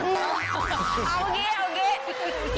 เอาอังกฤษ